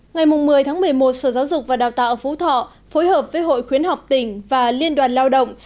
ngày một mươi một mươi một sở giáo dục và đào tạo phú thọ phối hợp với hội khuyến học tỉnh và liên đoàn lao động